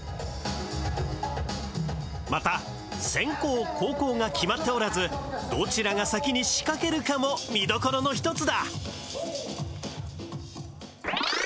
また先攻後攻が決まっておらずどちらが先に仕掛けるかも見どころのひとつだ